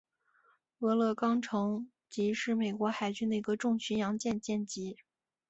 俄勒冈城级是美国海军的一个重巡洋舰舰级。